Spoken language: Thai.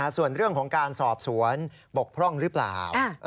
ส่วนเรื่องของการสอบสวนบกพร่องหรือเปล่า